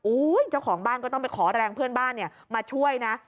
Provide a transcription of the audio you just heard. เจ้าของบ้านก็ต้องไปขอแรงเพื่อนบ้านมาช่วยนะ